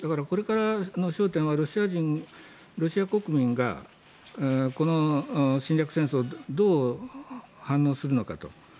これからの焦点はロシア国民がこの侵略戦争にどう反応するのかと。